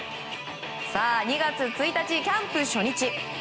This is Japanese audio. ２月１日、キャンプ初日。